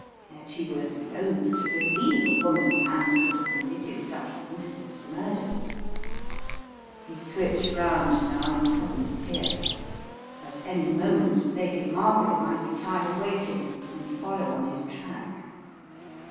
Yet he was loath to believe a woman's hand could have committed such ruthless murder. He switched round now in sudden fear. At any moment Lady Margaret might be tired of waiting and follow on his track.